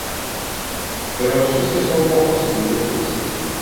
Pero los chistes son pocos y mediocres.